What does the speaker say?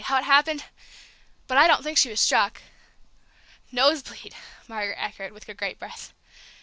How it happened ! But I don't think she was struck." "Nosebleed!" Margaret echoed, with a great breath.